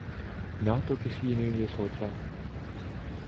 نہ تو کسی نے یہ سوچا